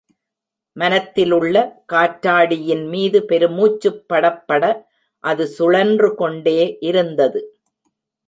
மனத்திலுள்ள காற்றாடியின் மீது பெருமூச்சுப் படப்பட அது சுழன்று கொண்டே இருந்தது.